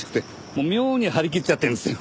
もう妙に張り切っちゃってるんですよ。